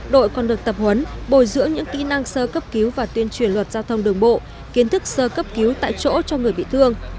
đội còn được tập huấn bồi dưỡng những kỹ năng sơ cấp cứu và tuyên truyền luật giao thông đường bộ kiến thức sơ cấp cứu tại chỗ cho người bị thương